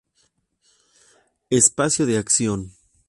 Espacio de acción.